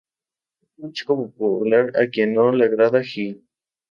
Otro chico popular a quien no le agrada Gii.